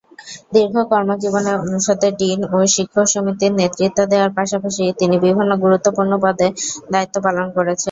দীর্ঘ কর্মজীবনে অনুষদের ডিন ও শিক্ষক সমিতির নেতৃত্ব দেওয়ার পাশাপাশি তিনি বিভিন্ন গুরুত্বপূর্ণ পদে দায়িত্ব পালন করেছেন।